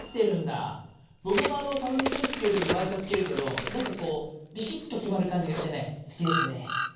ぼくもたまにスーツきるときワイシャツきるけどなんかこうビシッときまるかんじがしてね好きですね。